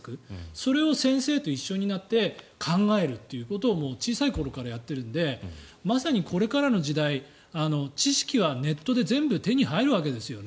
それを先生と一緒になって考えるということを小さい頃からやっているのでまさにこれからの時代知識はネットで全部手に入るわけですよね。